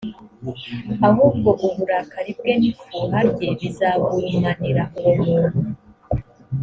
ahubwo uburakari bwe n’ifuha rye bizagurumanira uwo muntu,